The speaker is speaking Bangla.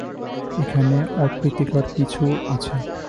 এখানে অপ্রীতিকর কিছু আছে।